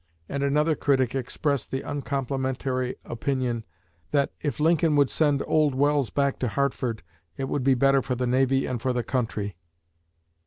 And another critic expressed the uncomplimentary opinion that "If Lincoln would send old Welles back to Hartford, it would be better for the Navy and for the country."